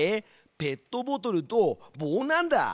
ペットボトルと棒なんだ。